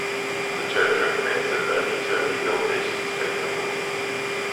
The Church recommends that only terminally ill patients take the pills.